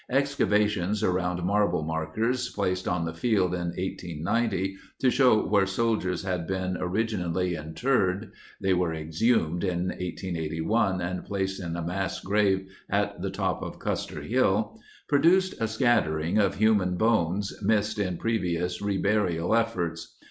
Excavations around marble markers placed on the field in * 1 890 to show where soldiers had been originally interred (they were exhumed in 1 881 and placed in a mass grave at the top of Custer Mill) pro duced a scattering of human^ ^ ^>ones m issed in previous re*^ burial efforts.